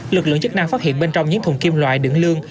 lực lượng chức năng phát hiện bên trong những thùng kim loại đựng lương